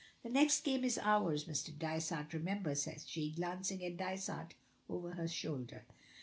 "The next game is ours, Mr. Dysart, remember," says she, glancing at Dysart over her shoulder.